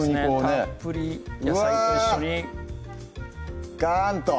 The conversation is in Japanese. たっぷり野菜と一緒にガンと！